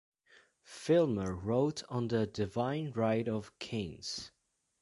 Filmer wrote on the Divine Right of Kings.